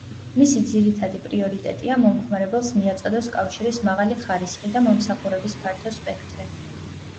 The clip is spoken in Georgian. მისი ძირითადი პრიორიტეტია მომხმარებელს მიაწოდოს კავშირის მაღალი ხარისხი და მომსახურების ფართო სპექტრი.